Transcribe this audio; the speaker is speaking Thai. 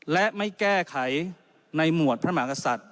และไม่แก้ไขในหมวดพระมหากษัตริย